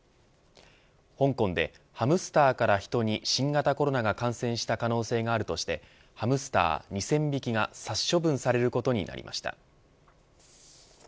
香港でハムスターからヒトに新型コロナが感染した可能性があるとしてハムスター２０００匹が殺処分されることになりました。